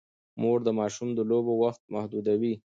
مور د ماشوم د لوبو وخت محدودوي.